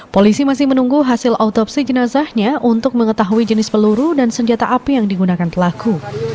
polisi masih menunggu hasil autopsi jenazahnya untuk mengetahui jenis peluru dan senjata api yang digunakan pelaku